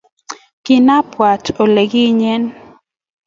kingabwat ole kinye